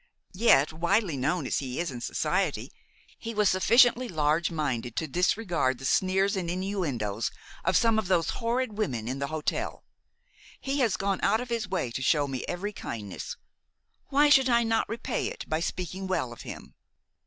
Yet, widely known as he is in society, he was sufficiently large minded to disregard the sneers and innuendoes of some of those horrid women in the hotel. He has gone out of his way to show me every kindness. Why should I not repay it by speaking well of him?"